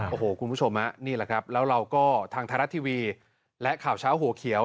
โอ้โหคุณผู้ชมนี่แหละครับแล้วเราก็ทางไทยรัฐทีวีและข่าวเช้าหัวเขียว